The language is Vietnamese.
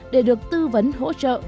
để được tư vấn hỗ trợ